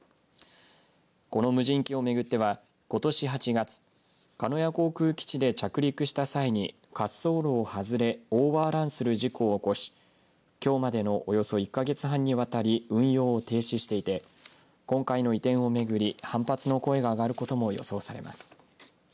この無人機を巡ってはことし８月鹿屋航空基地で着陸した際に滑走路を外れオーバーランする事故を起こしきょうまでのおよそ１か月半にわたり運用を停止していて今回の移転を巡り、反発の声が上がることも予想されます。